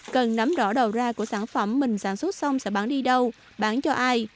cần nắm rõ đầu ra của sản phẩm mình sản xuất xong sẽ bán đi đâu bán cho ai